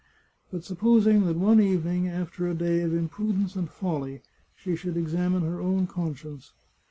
But supposing that one evening, after a day of imprudence and folly, she should examine her own conscience